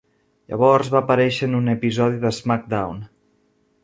Llavors va aparèixer en un episodi d'SmackDown!